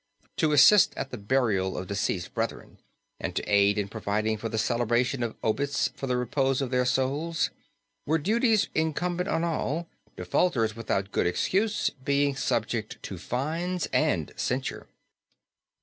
To assist at the burial of deceased brethren, and to aid in providing for the celebration of obits for the repose of their souls, were duties incumbent on all, defaulters without good excuse being subject to fines and censure.